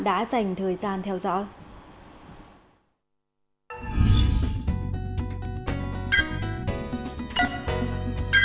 đã dành thời gian theo dõi